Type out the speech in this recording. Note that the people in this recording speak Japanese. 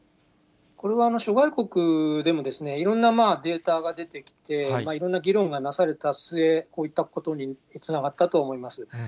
これは諸外国でもいろんなデータが出てきて、いろんな議論がなされた末、こういったことにつながったと思います。